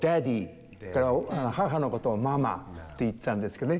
それから母のことをママって言ってたんですけどね。